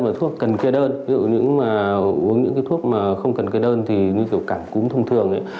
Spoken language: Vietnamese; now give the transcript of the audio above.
mà thuốc cần kê đơn ví dụ những mà uống những cái thuốc mà không cần kê đơn thì như kiểu cảm cúm thông thường ấy